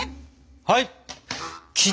はい。